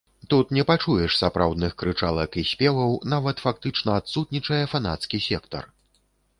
Тут не пачуеш сапраўдных крычалак і спеваў, нават фактычна адсутнічае фанацкі сектар.